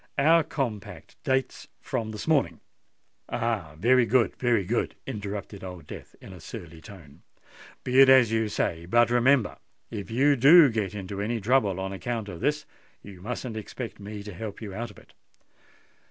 Our compact dates from this morning——" "Oh! very good—very good!" interrupted Old Death in a surly tone. "Be it as you say: but remember—if you do get into any trouble on account of this, you mustn't expect me to help you out of it."